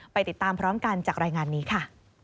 ไปติดตามพร้อมกันจากรายงานนี้ค่ะ